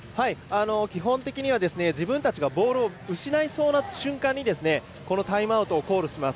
基本的には自分たちがボールを失いそうな瞬間にこのタイムアウトをコールします。